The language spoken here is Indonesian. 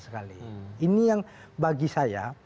sekali ini yang bagi saya